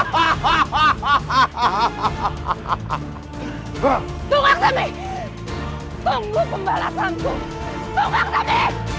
tunggu aktami tunggu pembalasanku